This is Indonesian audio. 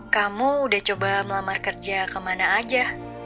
kamu udah coba melamar kerja kemana aja